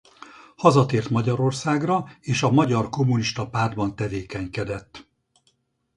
Hazatért Magyarországra és a Magyar Kommunista Pártban tevékenykedett.